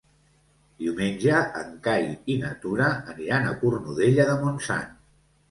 Diumenge en Cai i na Tura aniran a Cornudella de Montsant.